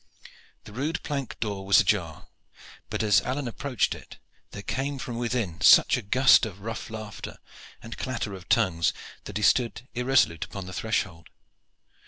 The rude plank door was ajar, but as Alleyne approached it there came from within such a gust of rough laughter and clatter of tongues that he stood irresolute upon the threshold.